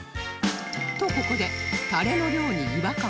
とここでタレの量に違和感が